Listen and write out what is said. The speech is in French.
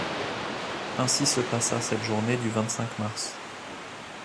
Ainsi se passa cette journée du vingt-cinq mars